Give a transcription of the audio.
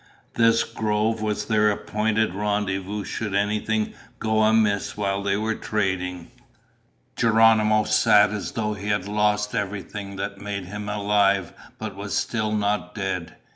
This grove was their appointed rendezvous should anything go amiss while they were trading. Geronimo sat as though he had lost everything that made him alive but was still not dead.